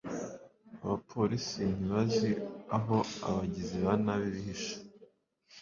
abapolisi ntibazi aho abagizi ba nabi bihishe